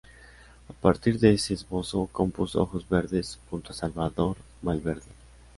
A partir de ese esbozo compuso "Ojos verdes" junto a Salvador Valverde.